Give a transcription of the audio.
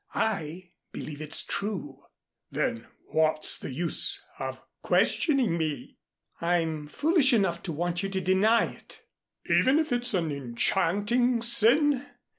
I believe it's true." "Then what's the use of questioning me?" "I'm foolish enough to want you to deny it." "Even if it is an enchanting sin?